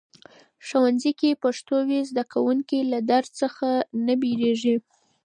ښوونځي کې پښتو وي، زده کوونکي له درس څخه نه بیریږي.